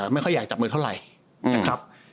ไม่ค่อยอยากจับมือเท่าไหร่นะครับ